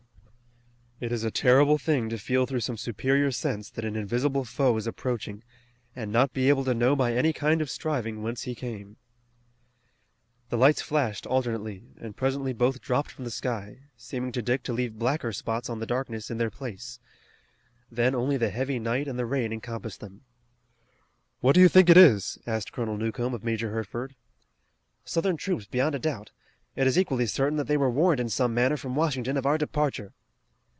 It is a terrible thing to feel through some superior sense that an invisible foe is approaching, and not be able to know by any kind of striving whence he came. The lights flashed alternately, and presently both dropped from the sky, seeming to Dick to leave blacker spots on the darkness in their place. Then only the heavy night and the rain encompassed them. "What do you think it is?" asked Colonel Newcomb of Major Hertford. "Southern troops beyond a doubt. It is equally certain that they were warned in some manner from Washington of our departure."